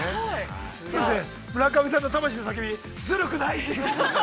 ◆先生、村上さんの魂の叫び、ズルくない。